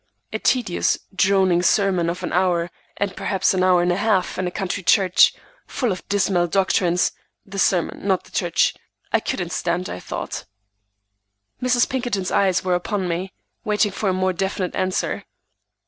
A tedious, droning sermon of an hour and perhaps an hour and a half in a country church, full of dismal doctrines,—the sermon, not the church,—I couldn't stand, I thought. Mrs. Pinkerton's eyes were upon me, waiting for a more definite answer.